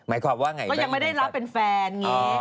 ก็ยังไม่ได้รับเป็นแฟน